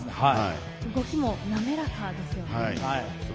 動きも滑らかでしたね。